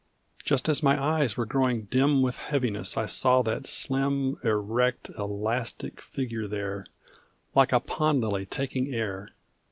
Just as my eyes were growing dim With heaviness, I saw that slim, Erect, elastic figure there, Like a pond lily taking air.